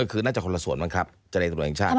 ก็คือน่าจะคนละส่วนบ้างครับจารย์ตัวเองชาติ